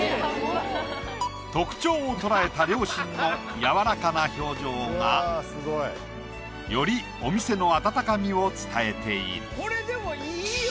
特徴を捉えた両親の柔らかな表情がよりお店の温かみを伝えている。